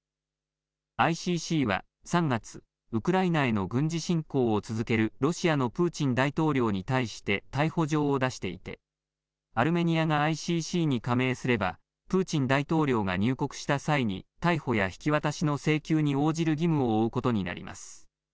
ＩＣＣは３月、ウクライナへの軍事侵攻を続けるロシアのプーチン大統領に対して逮捕状を出していてアルメニアがＩＣＣに加盟すればプーチン大統領が入国した際に逮捕や引き渡しの請求に応じる義務を負うことになります。